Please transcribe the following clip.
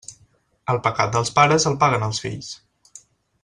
El pecat dels pares el paguen els fills.